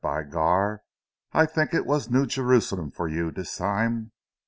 By gar, but I think it was New Jerusalem for you dis time!"